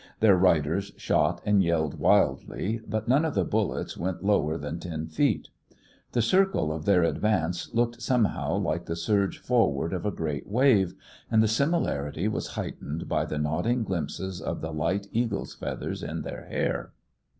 Their riders shot and yelled wildly, but none of the bullets went lower than ten feet. The circle of their advance looked somehow like the surge shoreward of a great wave, and the similarity was heightened by the nodding glimpses of the light eagles' feathers in their hair.